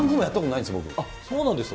そうなんですか？